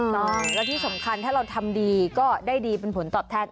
และที่สำคัญถ้าเราทำดีก็ได้ดีเป็นผลตอบแทน